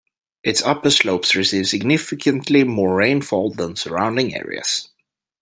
Its upper slopes receive significantly more rainfall than surrounding areas.